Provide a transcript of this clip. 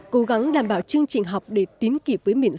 cố gắng đảm bảo chương trình học để tiến hành